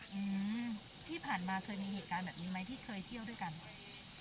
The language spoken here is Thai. อืมที่ผ่านมาเคยมีเหตุการณ์แบบนี้ไหมที่เคยเที่ยวด้วยกันไหม